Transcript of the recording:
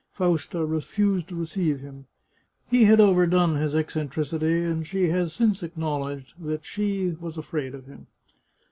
Fausta refused to receive him. He had overdone his eccentricity, and she has since acknowledged that she was afraid of him.